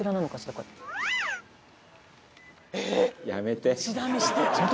「やめて！」